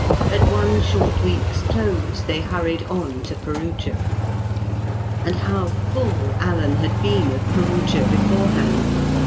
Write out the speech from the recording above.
At one short week's close they hurried on to Perugia. And how full Alan had been of Perugia beforehand!